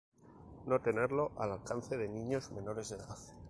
No tenerlo al alcance de niños menores de edad.